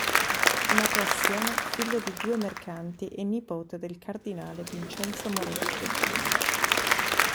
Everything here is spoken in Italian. Nato a Siena figlio di due mercanti e nipote del cardinale Vincenzo Moretti.